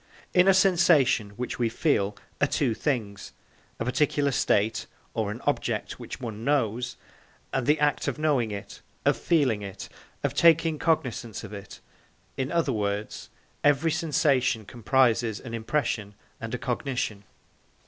In a sensation which we feel are two things: a particular state, or an object which one knows, and the act of knowing it, of feeling it, of taking cognisance of it; in other words, every sensation comprises an impression and a cognition.